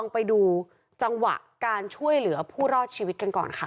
ผู้รอดชีวิตกันก่อนค่ะ